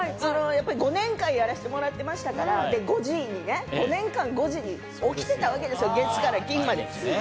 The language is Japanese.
５年間やらせてもらってましたから、５年間、５時に起きてたわけです、月から金まで。